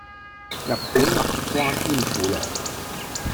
日本南瓜天婦羅